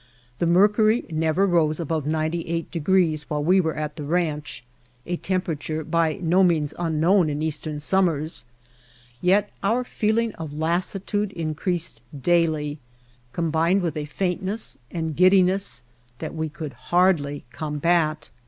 The mercury never rose above 98 degrees while we were at the ranch, a temperature by no means unknown in eastern summers, yet our feeling of lassitude increased daily, combined with a faintness and giddiness that we could hardly combat.